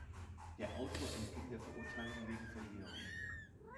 Der Autor entging der Verurteilung wegen Verjährung.